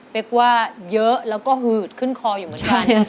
เป็ดว่าเยอะแล้วก็หืดขึ้นคออยู่บนชั้น